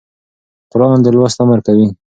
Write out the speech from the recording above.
قرآن د لوست امر کوي.